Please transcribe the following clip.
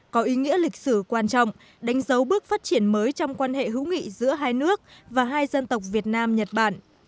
có ý nghĩa lịch sử quan trọng đánh dấu bước phát triển mới trong quan hệ hữu nghị giữa hai nước và hai dân tộc việt nam nhật bản